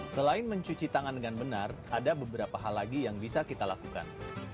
selain mencuci tangan dengan benar ada beberapa hal lagi yang bisa kita lakukan